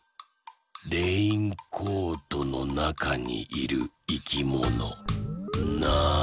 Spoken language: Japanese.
レインコートのなかにいるいきものなんだ？